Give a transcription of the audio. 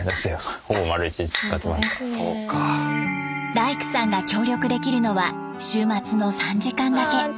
大工さんが協力できるのは週末の３時間だけ。